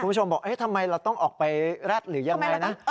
คุณผู้ชมบอกทำไมเราต้องออกไปแร็ดหรือยังไงนะ